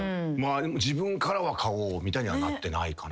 自分からは買おうみたいにはなってないかな。